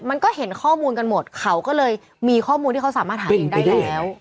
มันก็เห็นข้อมูลกันหมดเขาก็เลยมีข้อมูลที่เขาสามารถหาเองได้แล้ว